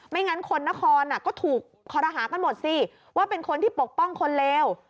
งั้นคนนครก็ถูกคอรหากันหมดสิว่าเป็นคนที่ปกป้องคนเลว